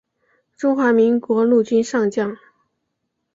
中华民国陆军上将。